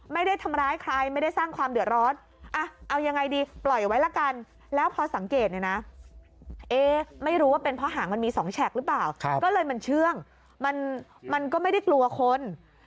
ไม่ได้ทำร้ายใครไม่ได้สร้างความเดือดร้อน